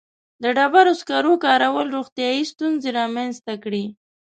• د ډبرو سکرو کارولو روغتیایي ستونزې رامنځته کړې.